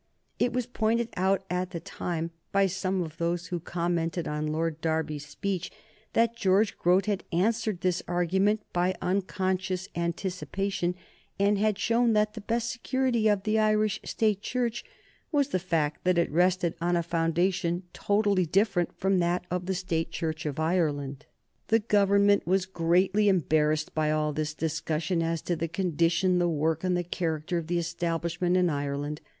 It was pointed out at the time, by some of those who commented on Lord Derby's speech, that George Grote had answered this argument by unconscious anticipation, and had shown that the best security of the English State Church was the fact that it rested on a foundation totally different from that of the State Church in Ireland. The Government were greatly embarrassed by all this discussion as to the condition, the work, and the character of the Establishment in Ireland.